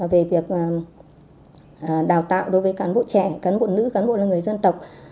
về việc đào tạo đối với cán bộ trẻ cán bộ nữ cán bộ là người dân tộc